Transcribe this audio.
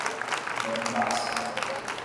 Mombaça